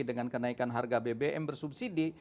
dengan kenaikan harga bbm bersubsidi